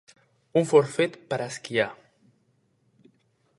Un forfet per a esquiar.